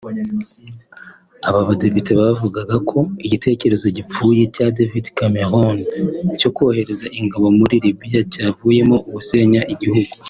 Aba badepite bavugaga ko igitekerezo gipfuye cya David Cameron cyo kohereza ingabo muri Libya cyavuyemo gusenya igihugu